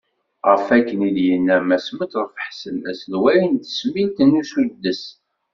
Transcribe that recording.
Ɣef wakken i t-id-yenna Mass Metref Ḥsen, aselway n tesmilt n usuddes.